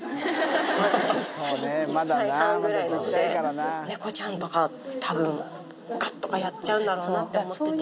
まだ１歳半ぐらいなんで、猫ちゃんとか、たぶん、かっとかやっちゃうんだろうなと思ってて。